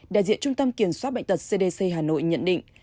đại diện trung tâm kiểm soát bệnh tật cdc hà nội nhận định